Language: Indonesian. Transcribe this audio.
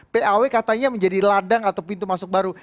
paw katanya menjadi ladang atau pintu masuk baru